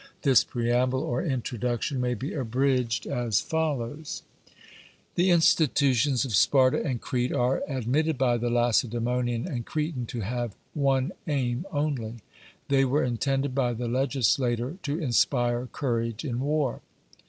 This preamble or introduction may be abridged as follows: The institutions of Sparta and Crete are admitted by the Lacedaemonian and Cretan to have one aim only: they were intended by the legislator to inspire courage in war.